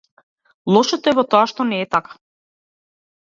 Лошото е во тоа што не е така.